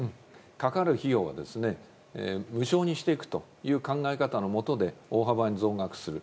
かかる費用を無償にしていくという考え方の下で大幅に増額する。